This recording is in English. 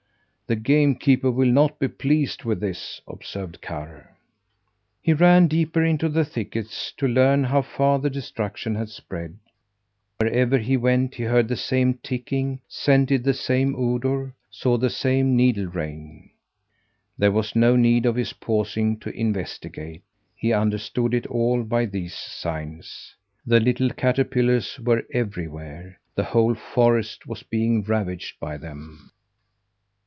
The game keeper will not be pleased with this," observed Karr. He ran deeper into the thickets, to learn how far the destruction had spread. Wherever he went, he heard the same ticking; scented the same odour; saw the same needle rain. There was no need of his pausing to investigate. He understood it all by these signs. The little caterpillars were everywhere. The whole forest was being ravaged by them!